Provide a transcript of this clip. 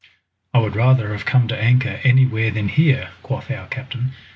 "I would rather have come to anchor anywhere than here," quoth our captain.